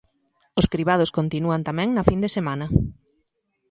Os cribados continúan tamén na fin de semana.